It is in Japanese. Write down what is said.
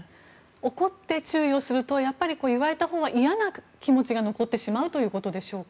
怒って注意すると言われたほうは嫌な気持ちが残ってしまうということでしょうか。